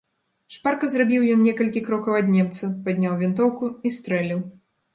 Шпарка зрабіў ён некалькі крокаў ад немца, падняў вінтоўку і стрэліў.